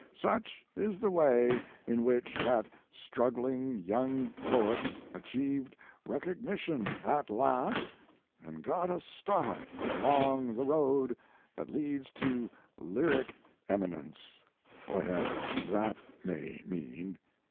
Such is the way in which that struggling young poet achieved recogni 134 Mark Twain tion at last, and got a start along the road that leads to lyric eminence what ever that may mean.